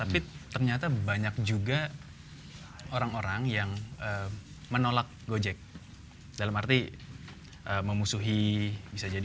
tapi ternyata banyak juga orang orang yang menolak gojek dalam arti memusuhi bisa jadi